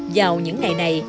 dạo những ngày này